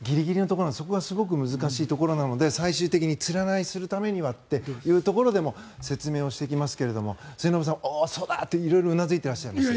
そこがすごく難しいところなので最終的には、つらないためにはというところでも説明していきますが末延さんおお、そうだって色々うなずいていらっしゃいましたが。